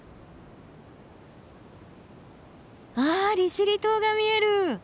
あ利尻島が見える！